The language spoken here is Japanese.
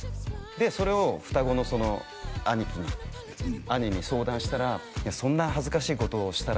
でそれを双子の兄貴に兄に相談したら「いやそんな恥ずかしいことをしたら」